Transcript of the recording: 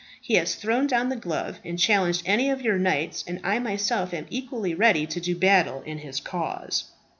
He has thrown down the glove, and challenged any of your knights, and I myself am equally ready to do battle in his cause."